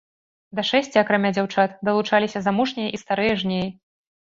Да шэсця, акрамя дзяўчат, далучаліся замужнія і старыя жнеі.